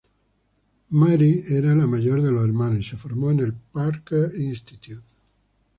Mary era la mayor de los hermanos y se formó en el Packer Institute.